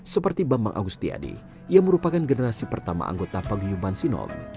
seperti bambang agustyadi yang merupakan generasi pertama anggota paguyuban sinop